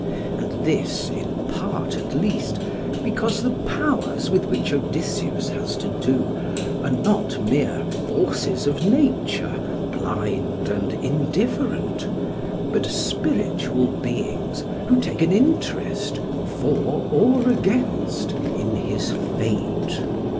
And this, in part at least, because the powers with which Odysseus has to do, are not mere forces of nature, blind and indifferent, but spiritual beings who take an interest, for or against, in his fate.